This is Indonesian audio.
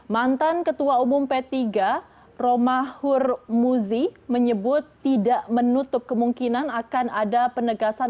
mantan ketua umum p tiga romahur muzi menyebut tidak menutup kemungkinan akan ada penegasan